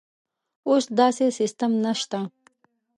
اوس داسې سیستم نشته.